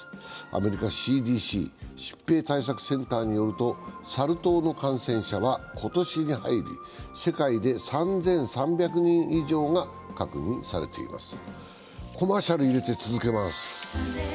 アメリカＣＤＣ＝疾病対策センターによるとサル痘の感染者は今年に入り、世界で３３００人以上が確認されています。